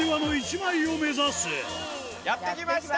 やって来ました。